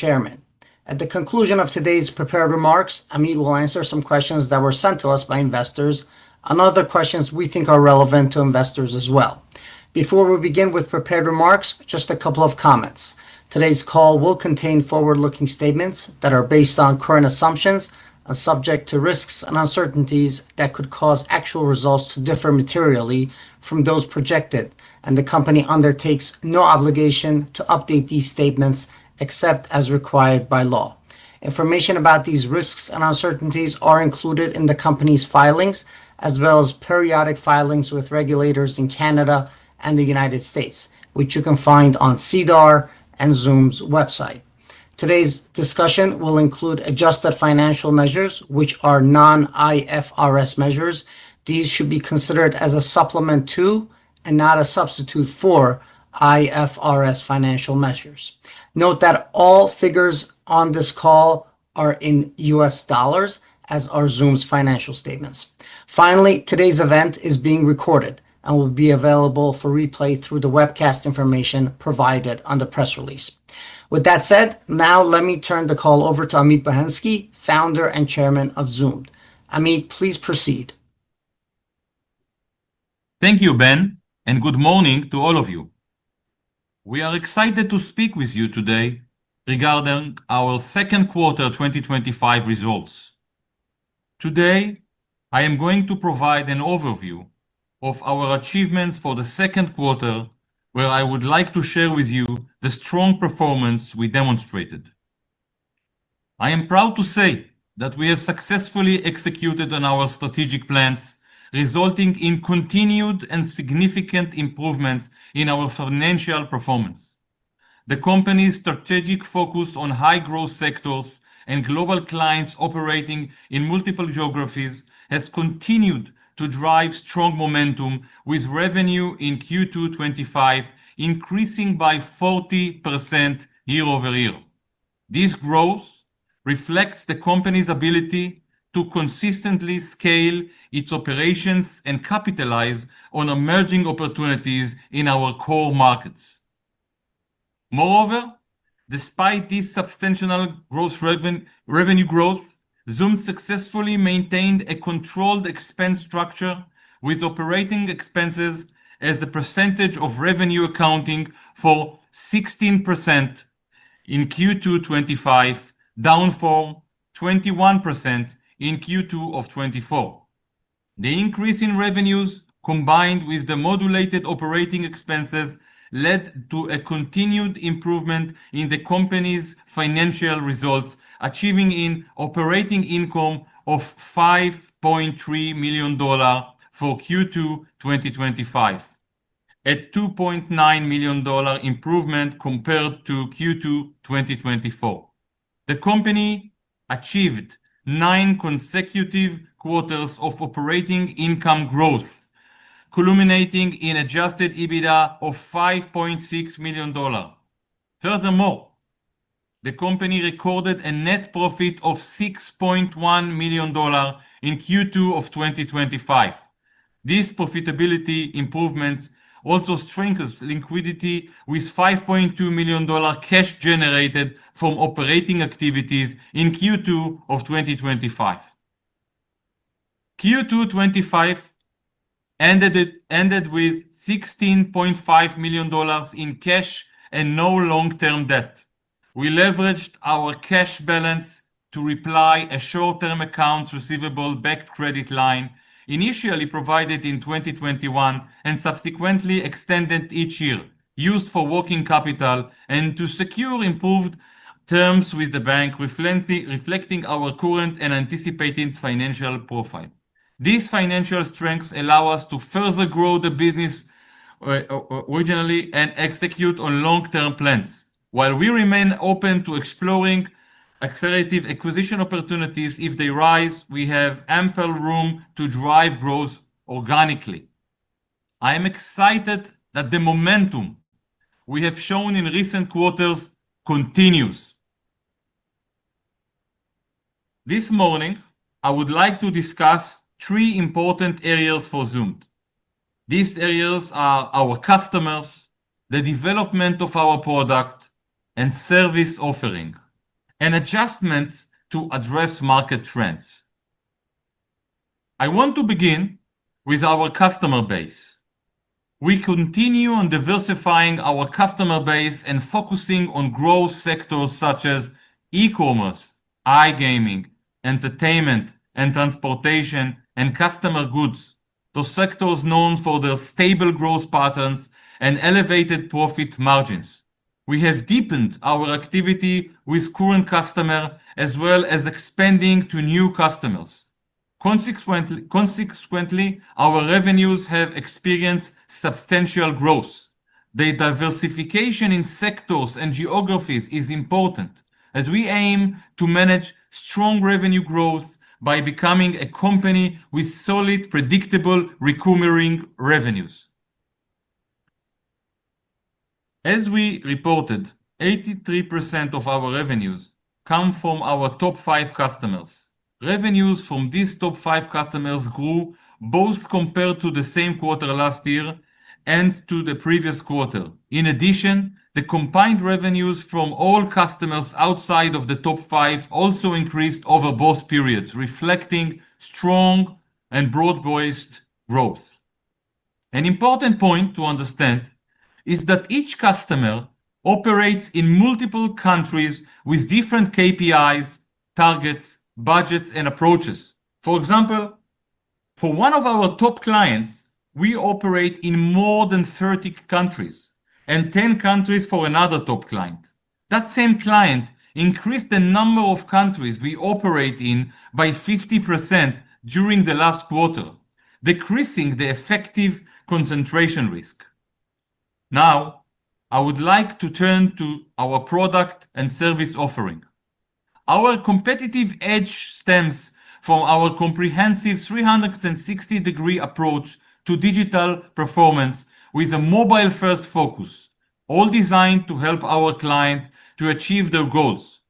Chairman, at the conclusion of today's prepared remarks, Amit will answer some questions that were sent to us by investors and other questions we think are relevant to investors as well. Before we begin with prepared remarks, just a couple of comments. Today's call will contain forward-looking statements that are based on current assumptions and subject to risks and uncertainties that could cause actual results to differ materially from those projected, and the company undertakes no obligation to update these statements except as required by law. Information about these risks and uncertainties is included in the company's filings, as well as periodic filings with regulators in Canada and the United States, which you can find on SEDAR and Zoomd's website. Today's discussion will include adjusted financial measures, which are non-IFRS measures. These should be considered as a supplement to and not a substitute for IFRS financial measures. Note that all figures on this call are in U.S. dollars, as are Zoomd's financial statements. Finally, today's event is being recorded and will be available for replay through the webcast information provided on the press release. With that said, now let me turn the call over to Amit Bohensky, Founder and Chairman of Zoomd. Amit, please proceed. Thank you, Ben, and good morning to all of you. We are excited to speak with you today regarding our second quarter 2025 results. Today, I am going to provide an overview of our achievements for the second quarter, where I would like to share with you the strong performance we demonstrated. I am proud to say that we have successfully executed on our strategic plans, resulting in continued and significant improvements in our financial performance. The company's strategic focus on high-growth sectors and global clients operating in multiple geographies has continued to drive strong momentum, with revenue in Q2 2025 increasing by 40% year-over-year. This growth reflects the company's ability to consistently scale its operations and capitalize on emerging opportunities in our core markets. Moreover, despite this substantial revenue growth, Zoomd successfully maintained a controlled expense structure, with operating expenses as a percentage of revenue accounting for 16% in Q2 2025, down from 21% in Q2 2024. The increase in revenues, combined with the modulated operating expenses, led to a continued improvement in the company's financial results, achieving an operating income of $5.3 million for Q2 2025, a $2.9 million improvement compared to Q2 2024. The company achieved nine consecutive quarters of operating income growth, culminating in an adjusted EBITDA of $5.6 million. Furthermore, the company recorded a net profit of $6.1 million in Q2 2025. These profitability improvements also strengthened liquidity, with $5.2 million cash generated from operating activities in Q2 2025. Q2 2025 ended with $16.5 million in cash and no long-term debt. We leveraged our cash balance to repay a short-term accounts receivable-backed credit line, initially provided in 2021 and subsequently extended each year, used for working capital and to secure improved terms with the bank, reflecting our current and anticipated financial profile. These financial strengths allow us to further grow the business organically and execute on long-term plans. While we remain open to exploring acquisition opportunities if they arise, we have ample room to drive growth organically. I am excited that the momentum we have shown in recent quarters continues. This morning, I would like to discuss three important areas for Zoomd. These areas are our customers, the development of our product and service offering, and adjustments to address market trends. I want to begin with our customer base. We continue on diversifying our customer base and focusing on growth sectors such as e-commerce, iGaming, entertainment, transportation, and consumer goods, those sectors known for their stable growth patterns and elevated profit margins. We have deepened our activity with current customers, as well as expanding to new customers. Consequently, our revenues have experienced substantial growth. The diversification in sectors and geographies is important, as we aim to manage strong revenue growth by becoming a company with solid, predictable, recurring revenues. As we reported, 83% of our revenues come from our top five customers. Revenues from these top five customers grew both compared to the same quarter last year and to the previous quarter. In addition, the combined revenues from all customers outside of the top five also increased over both periods, reflecting strong and broad-based growth. An important point to understand is that each customer operates in multiple countries with different KPIs, targets, budgets, and approaches. For example, for one of our top clients, we operate in more than 30 countries and 10 countries for another top client. That same client increased the number of countries we operate in by 50% during the last quarter, decreasing the effective client concentration risk. Now, I would like to turn to our product and service offering. Our competitive edge stems from our comprehensive 360-degree approach to digital performance with a mobile-first focus, all designed to help our clients achieve their goals.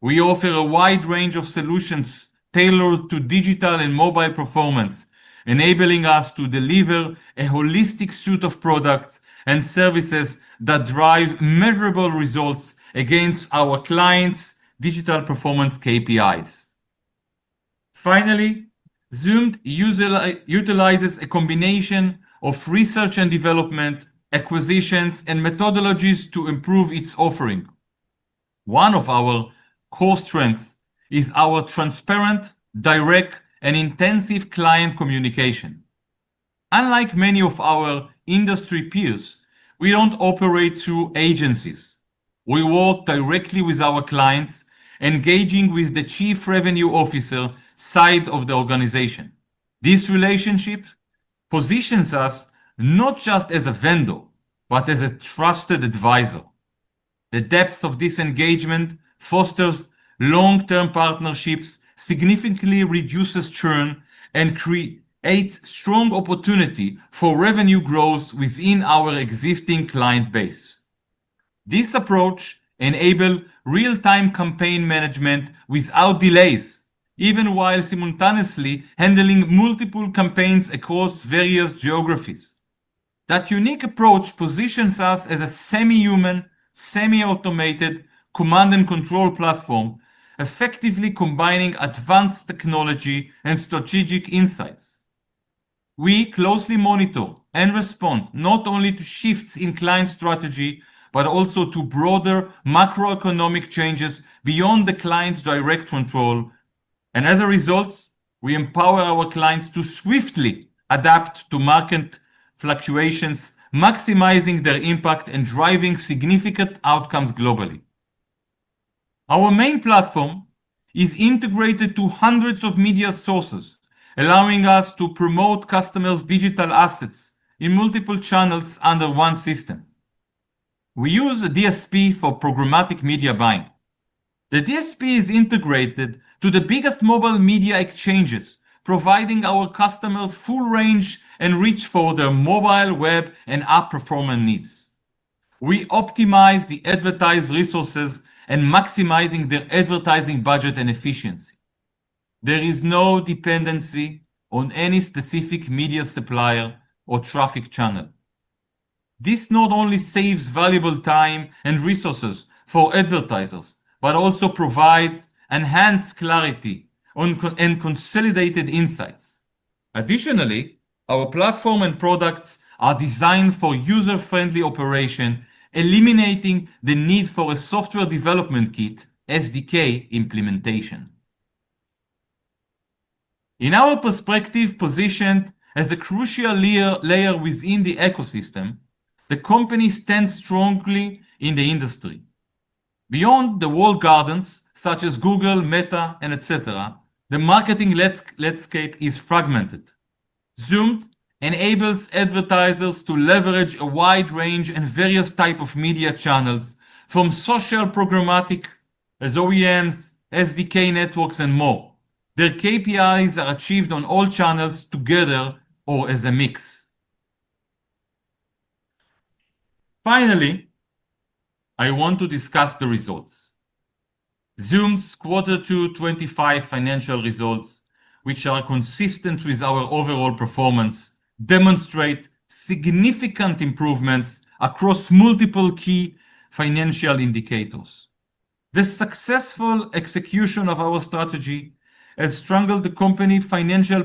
We offer a wide range of solutions tailored to digital and mobile performance, enabling us to deliver a holistic suite of products and services that drive measurable results against our clients' digital performance KPIs. Finally, Zoomd utilizes a combination of research and development, acquisitions, and methodologies to improve its offering. One of our core strengths is our transparent, direct, and intensive client communication. Unlike many of our industry peers, we don't operate through agencies. We work directly with our clients, engaging with the Chief Revenue Officer side of the organization. This relationship positions us not just as a vendor, but as a trusted advisor. The depth of this engagement fosters long-term partnerships, significantly reduces churn, and creates strong opportunity for revenue growth within our existing client base. This approach enables real-time campaign management without delays, even while simultaneously handling multiple campaigns across various geographies. That unique approach positions us as a semi-human, semi-automated command-and-control platform, effectively combining advanced technology and strategic insights. We closely monitor and respond not only to shifts in client strategy but also to broader macroeconomic changes beyond the client's direct control. As a result, we empower our clients to swiftly adapt to market fluctuations, maximizing their impact and driving significant outcomes globally. Our main platform is integrated to hundreds of media sources, allowing us to promote customers' digital assets in multiple channels under one system. We use a DSP for programmatic media buying. The DSP is integrated to the biggest mobile media exchanges, providing our customers full range and reach for their mobile, web, and app performance needs. We optimize the advertised resources and maximize their advertising budget and efficiency. There is no dependency on any specific media supplier or traffic channel. This not only saves valuable time and resources for advertisers but also provides enhanced clarity and consolidated insights. Additionally, our platform and products are designed for user-friendly operation, eliminating the need for a software development kit, SDK implementation. In our perspective, positioned as a crucial layer within the ecosystem, the company stands strongly in the industry. Beyond the walled gardens such as Google, Meta, and etc., the marketing landscape is fragmented. Zoomd enables advertisers to leverage a wide range and various types of media channels, from social, programmatic, as OEMs, SDK networks, and more. Their KPIs are achieved on all channels together or as a mix. Finally, I want to discuss the results. Zoomd's quarter two 2025 financial results, which are consistent with our overall performance, demonstrate significant improvements across multiple key financial indicators. The successful execution of our strategy has strengthened the company's financial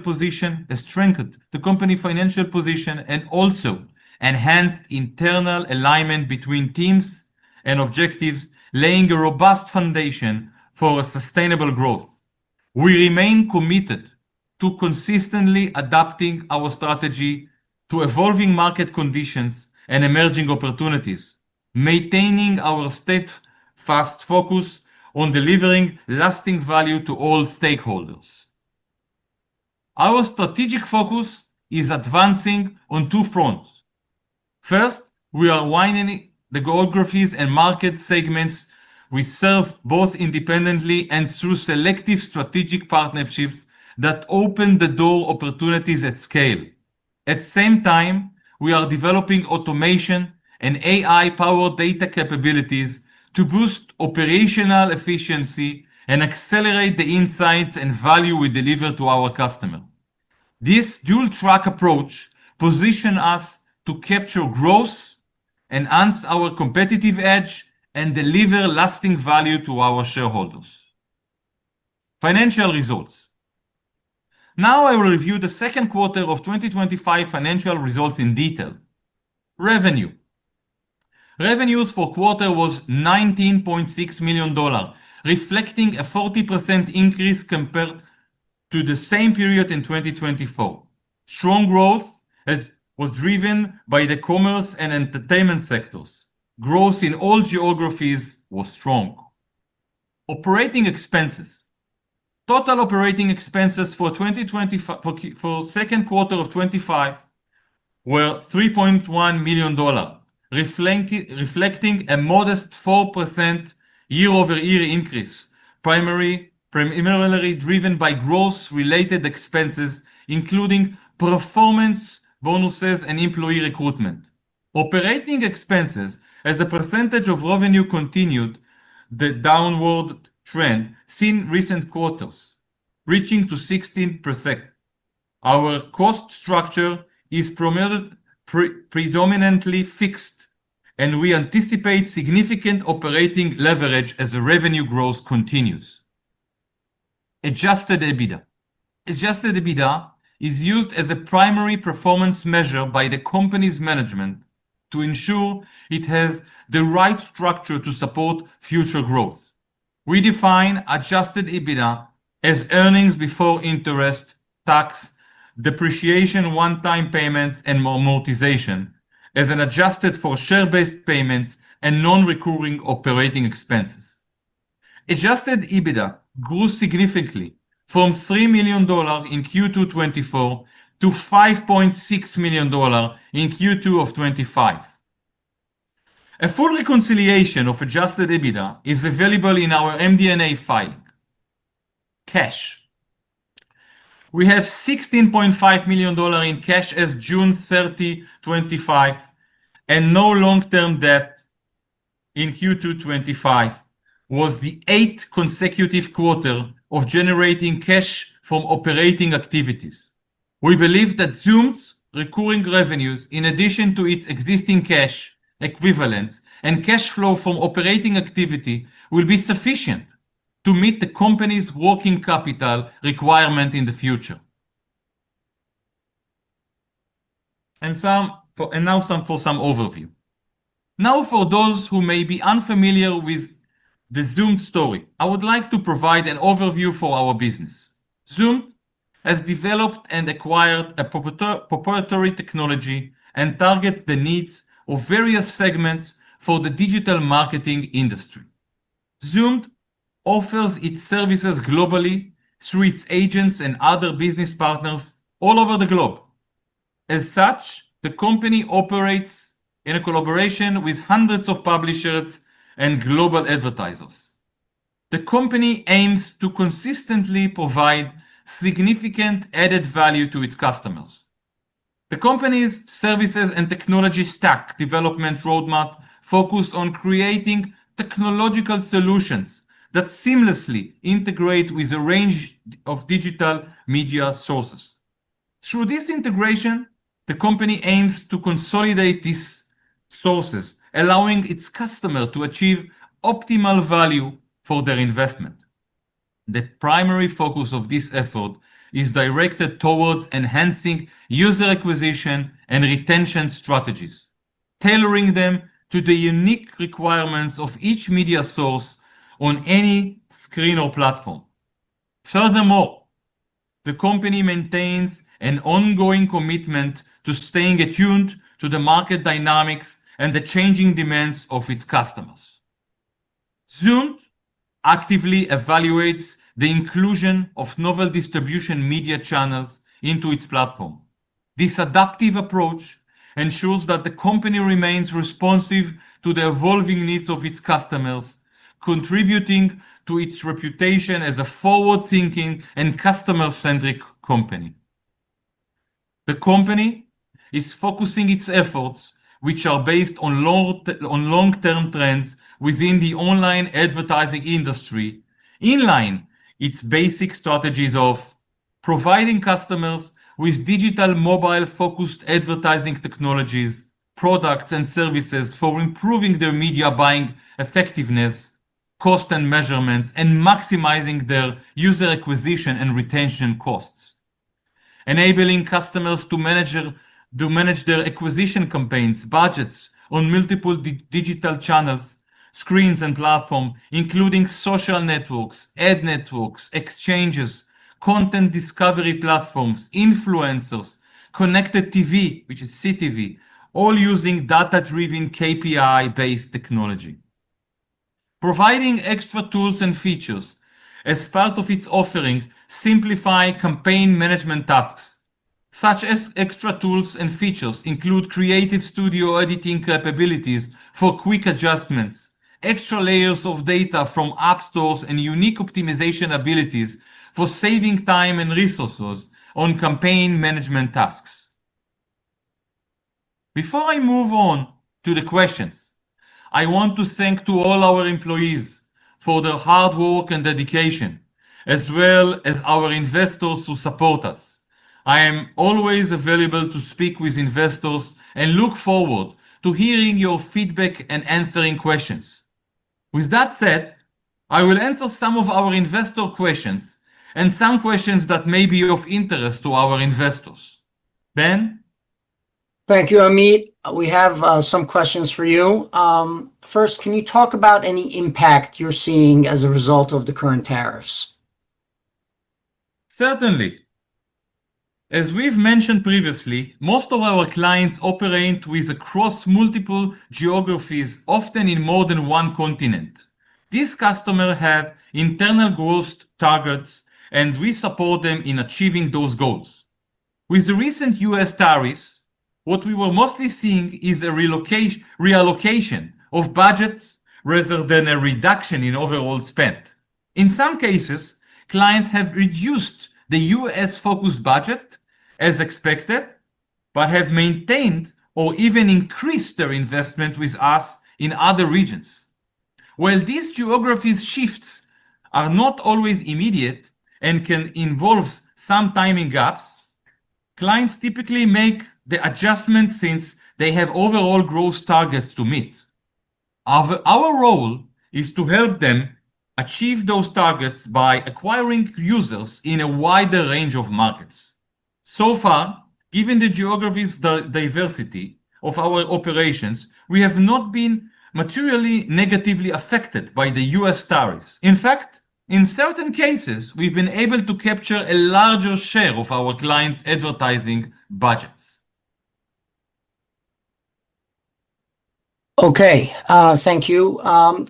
position and also enhanced internal alignment between teams and objectives, laying a robust foundation for sustainable growth. We remain committed to consistently adapting our strategy to evolving market conditions and emerging opportunities, maintaining our steadfast focus on delivering lasting value to all stakeholders. Our strategic focus is advancing on two fronts. First, we are widening the geographies and market segments we serve, both independently and through selective strategic partnerships that open the door to opportunities at scale. At the same time, we are developing automation and AI-powered data capabilities to boost operational efficiency and accelerate the insights and value we deliver to our customers. This dual-track approach positions us to capture growth, enhance our competitive edge, and deliver lasting value to our shareholders. Financial results. Now, I will review the second quarter of 2025 financial results in detail. Revenue. Revenue for the quarter was $19.6 million, reflecting a 40% increase compared to the same period in 2024. Strong growth was driven by the e-commerce and entertainment sectors. Growth in all geographies was strong. Operating expenses. Total operating expenses for the second quarter of 2025 were $3.1 million, reflecting a modest 4% year-over-year increase, primarily driven by growth-related expenses, including performance bonuses and employee recruitment. Operating expenses, as a percentage of revenue, continued the downward trend seen in recent quarters, reaching 16%. Our cost structure is predominantly fixed, and we anticipate significant operating leverage as the revenue growth continues. Adjusted EBITDA. Adjusted EBITDA is used as a primary performance measure by the company's management to ensure it has the right structure to support future growth. We define adjusted EBITDA as earnings before interest, tax, depreciation, one-time payments, and amortization, as adjusted for share-based payments and non-recurring operating expenses. Adjusted EBITDA grew significantly from $3 million in Q2 2024 to $5.6 million in Q2 2025. A full reconciliation of adjusted EBITDA is available in our MD&A filing. Cash. We have $16.5 million in cash as of June 30, 2025, and no long-term debt. Q2 2025 was the eighth consecutive quarter of generating cash from operating activities. We believe that Zoomd's recurring revenues, in addition to its existing cash equivalents and cash flow from operating activity, will be sufficient to meet the company's working capital requirement in the future. Now, for those who may be unfamiliar with the Zoomd story, I would like to provide an overview of our business. Zoomd has developed and acquired a proprietary technology and targets the needs of various segments for the digital marketing industry. Zoomd offers its services globally through its agents and other business partners all over the globe. As such, the company operates in a collaboration with hundreds of publishers and global advertisers. The company aims to consistently provide significant added value to its customers. The company's services and technology stack development roadmap focuses on creating technological solutions that seamlessly integrate with a range of digital media sources. Through this integration, the company aims to consolidate these sources, allowing its customers to achieve optimal value for their investment. The primary focus of this effort is directed towards enhancing user acquisition and retention strategies, tailoring them to the unique requirements of each media source on any screen or platform. Furthermore, the company maintains an ongoing commitment to staying attuned to the market dynamics and the changing demands of its customers. Zoomd actively evaluates the inclusion of novel distribution media channels into its platform. This adaptive approach ensures that the company remains responsive to the evolving needs of its customers, contributing to its reputation as a forward-thinking and customer-centric company. The company is focusing its efforts, which are based on long-term trends within the online advertising industry, in line with its basic strategies of providing customers with digital, mobile-focused advertising technologies, products, and services for improving their media buying effectiveness, cost and measurements, and maximizing their user acquisition and retention costs. Enabling customers to manage their acquisition campaigns, budgets on multiple digital channels, screens, and platforms, including social networks, ad networks, exchanges, content discovery platforms, influencers, and connected TV, which is CTV, all using data-driven KPI-based technology. Providing extra tools and features as part of its offering simplifies campaign management tasks. Such extra tools and features include creative studio editing capabilities for quick adjustments, extra layers of data from app stores, and unique optimization abilities for saving time and resources on campaign management tasks. Before I move on to the questions, I want to thank all our employees for their hard work and dedication, as well as our investors who support us. I am always available to speak with investors and look forward to hearing your feedback and answering questions. With that said, I will answer some of our investor questions and some questions that may be of interest to our investors. Ben? Thank you, Amit. We have some questions for you. First, can you talk about any impact you're seeing as a result of the current tariffs? Certainly. As we've mentioned previously, most of our clients operate across multiple geographies, often in more than one continent. These customers have internal growth targets, and we support them in achieving those goals. With the recent U.S. tariffs, what we were mostly seeing is a relocation of budgets rather than a reduction in overall spend. In some cases, clients have reduced the U.S.-focused budget, as expected, but have maintained or even increased their investment with us in other regions. While these geography shifts are not always immediate and can involve some timing gaps, clients typically make the adjustments since they have overall growth targets to meet. Our role is to help them achieve those targets by acquiring users in a wider range of markets. Given the geography diversity of our operations, we have not been materially negatively affected by the U.S. tariffs. In fact, in certain cases, we've been able to capture a larger share of our clients' advertising budgets. Thank you.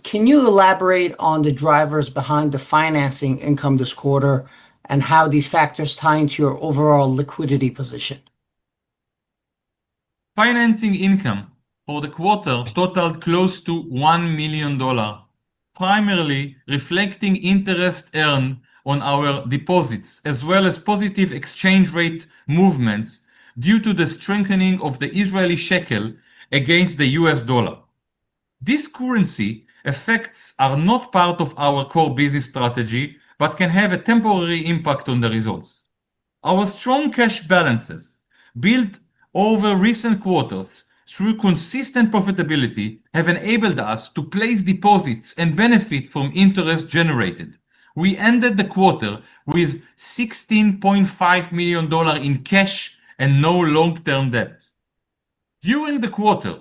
Can you elaborate on the drivers behind the financing income this quarter and how these factors tie into your overall liquidity position? Financing income for the quarter totaled close to $1 million, primarily reflecting interest earned on our deposits, as well as positive exchange rate movements due to the strengthening of the Israeli shekel against the U.S. dollar. These currency effects are not part of our core business strategy but can have a temporary impact on the results. Our strong cash balances built over recent quarters through consistent profitability have enabled us to place deposits and benefit from interest generated. We ended the quarter with $16.5 million in cash and no long-term debt. During the quarter,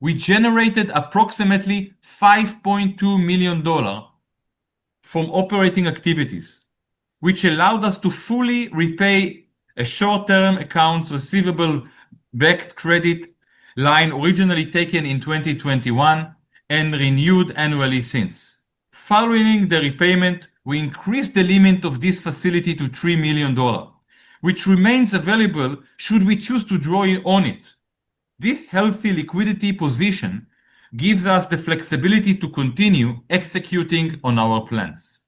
we generated approximately $5.2 million from operating activities, which allowed us to fully repay a short-term accounts receivable-backed credit line originally taken in 2021 and renewed annually since. Following the repayment, we increased the limit of this facility to $3 million, which remains available should we choose to draw on it. This healthy liquidity position gives us the flexibility to continue executing on our plans.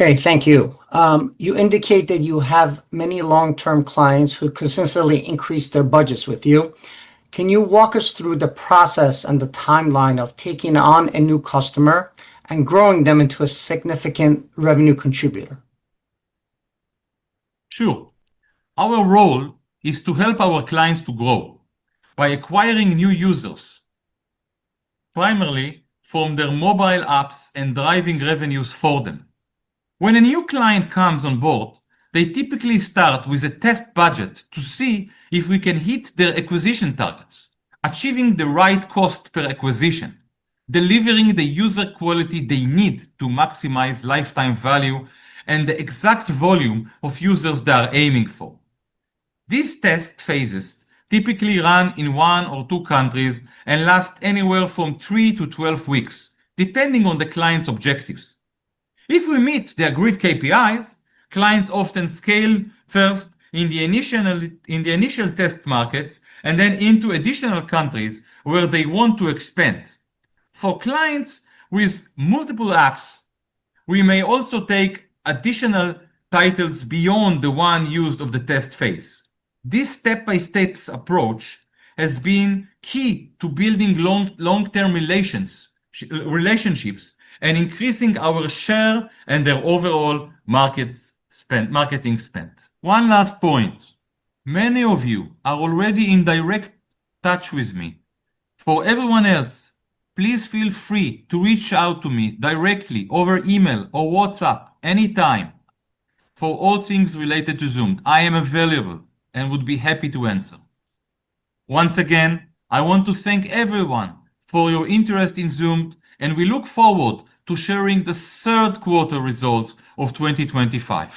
Okay. Thank you. You indicated you have many long-term clients who consistently increase their budgets with you. Can you walk us through the process and the timeline of taking on a new customer and growing them into a significant revenue contributor? Sure. Our role is to help our clients to grow by acquiring new users, primarily from their mobile apps and driving revenues for them. When a new client comes on board, they typically start with a test budget to see if we can hit their acquisition targets, achieving the right cost per acquisition, delivering the user quality they need to maximize lifetime value and the exact volume of users they are aiming for. These test phases typically run in one or two countries and last anywhere from three to 12 weeks, depending on the client's objectives. If we meet their grid KPIs, clients often scale first in the initial test markets and then into additional countries where they want to expand. For clients with multiple apps, we may also take additional titles beyond the one used in the test phase. This step-by-step approach has been key to building long-term relationships and increasing our share and their overall marketing spend. One last point. Many of you are already in direct touch with me. For everyone else, please feel free to reach out to me directly over email or WhatsApp anytime for all things related to Zoomd. I am available and would be happy to answer. Once again, I want to thank everyone for your interest in Zoomd, and we look forward to sharing the third quarter results of 2025.